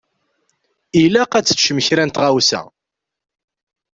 Ilaq ad teččem kra n tɣawsa.